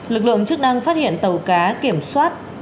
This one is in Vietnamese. lực lượng chức năng phát hiện tàu cá kiểm soát